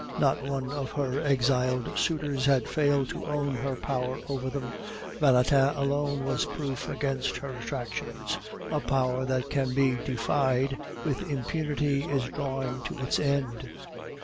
Not one of her exiled suitors had failed to own her power over them; Valentin alone was proof against her attractions. A power that can be defied with impunity is drawing to its end.